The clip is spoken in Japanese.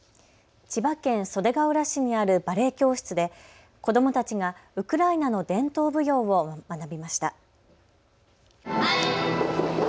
千葉県袖ケ浦市にあるバレエ教室で子どもたちがウクライナの伝統舞踊を学びました。